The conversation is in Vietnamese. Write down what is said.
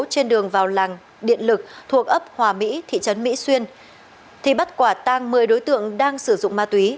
trên đường vào làng điện lực thuộc ấp hòa mỹ thị trấn mỹ xuyên thì bắt quả tang một mươi đối tượng đang sử dụng ma túy